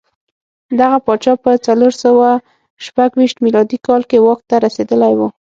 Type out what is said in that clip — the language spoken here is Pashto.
دغه پاچا په څلور سوه شپږ ویشت میلادي کال کې واک ته رسېدلی و.